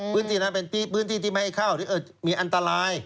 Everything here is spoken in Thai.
พื้นที่นั้นเป็นพื้นที่ที่ไม่ให้เข้ามีอันตราย